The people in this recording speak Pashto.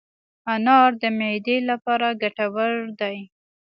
انار د معدې لپاره ګټور دی.